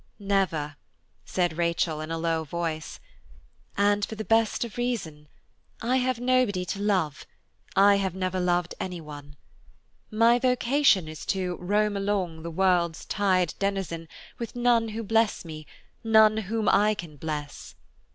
"Never," said Rachel, in a low voice, "and for the best of reason: I have nobody to love, I have never loved any one. My vocation is 'to roam along, the world's tired denizen, with none who bless me, none whom I can bless.'"